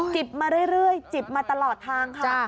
จิบมาเรื่อยจิบมาตลอดทางค่ะ